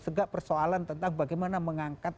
juga persoalan tentang bagaimana mengangkat